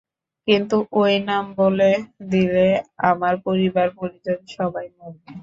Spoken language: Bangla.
কিন্তু ঐ নাম বলে দিলে, আমার পরিবার-পরিজন সবাই মরবে।